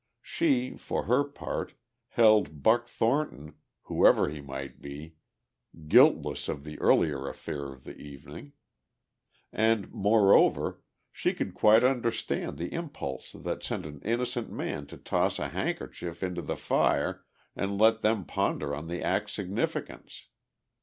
She for her part, held Buck Thornton, whoever he might be, guiltless of the earlier affair of the evening. And, moreover, she could quite understand the impulse that sent an innocent man to toss a handkerchief into the fire and let them ponder on the act's significance.